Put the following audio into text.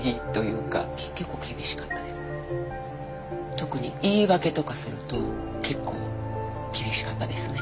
特に言い訳とかすると結構厳しかったですね。